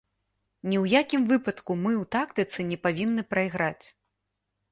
Ні ў якім выпадку мы ў тактыцы не павінны прайграць.